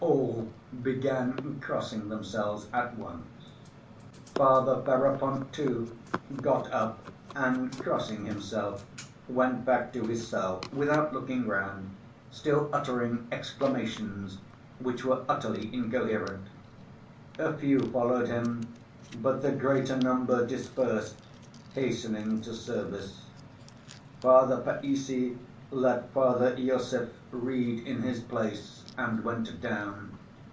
All began crossing themselves at once. Father Ferapont, too, got up and crossing himself went back to his cell without looking round, still uttering exclamations which were utterly incoherent. A few followed him, but the greater number dispersed, hastening to service. Father Païssy let Father Iosif read in his place and went down.